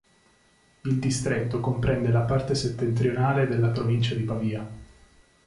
Il distretto comprende la parte settentrionale della provincia di Pavia.